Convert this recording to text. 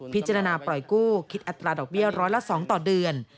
พิจารณาปล่อยกู้คิดอัตราดอกเบี้ยร้อยละ๒ต่อเดือน